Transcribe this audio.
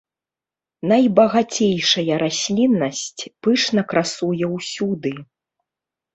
Найбагацейшая расліннасць пышна красуе ўсюды.